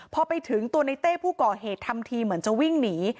พอไปถึงตัวในเต้ผู้ก่อเหตุทำทีเหมือนจะวิ่งหนี